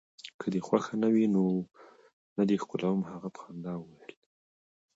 که دي خوښه نه وي، نه دي ښکلوم. هغه په خندا وویل.